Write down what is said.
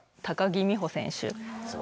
高木美帆選手。